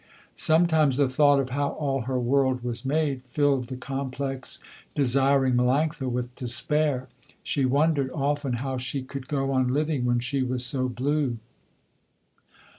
Sometimes the thought of how all her world was made, filled the complex, desiring Melanctha with despair. She wondered, often, how she could go on living when she was so blue.